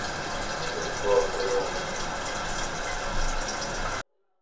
اشباع شدن